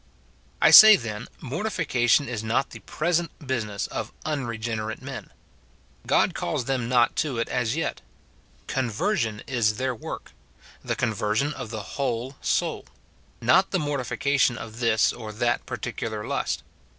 I say, then, mortification is not the present business of unregenerate men. God calls them not to it as yet ; conversion is their work, — the conversion of the whole soul, — not the mortification of this or that particular lust.